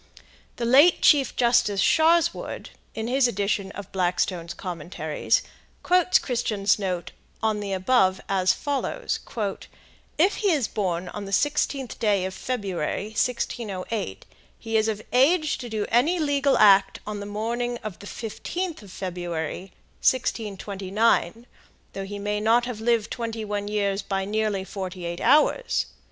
The late Chief Justice Sharswood, in his edition of Blackstone's Commentaries, quotes Christian's note on the above as follows: "If he is born on the 16th day of February, 1608, he is of age to do any legal act on the morning of the 15th of February, 1629, though he may not have lived twenty one years by nearly forty eight hours.